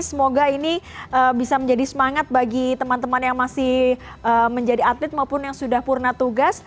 semoga ini bisa menjadi semangat bagi teman teman yang masih menjadi atlet maupun yang sudah purna tugas